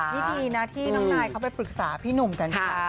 นี่ดีนะที่น้องนายเขาไปปรึกษาพี่หนุ่มกัญชา